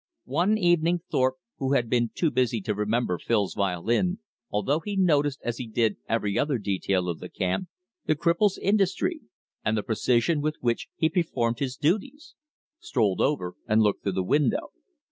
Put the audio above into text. One evening Thorpe, who had been too busy to remember Phil's violin, although he noticed, as he did every other detail of the camp, the cripple's industry, and the precision with which he performed his duties, strolled over and looked through the window.